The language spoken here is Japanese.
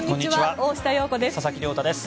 大下容子です。